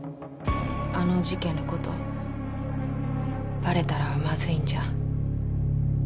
あの事件のことバレたらまずいんじゃ？